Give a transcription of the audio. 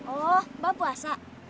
oh mbah puasa